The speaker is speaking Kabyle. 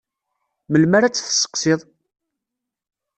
Melmi ara tt-tesseqsiḍ?